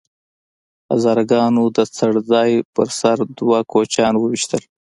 هزاره ګانو د څړ ځای په سر دوه کوچیان وويشتل